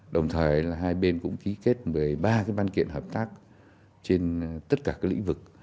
đồng thời hai bên cũng ký kết một mươi ba ban kiện hợp tác trên tất cả lĩnh vực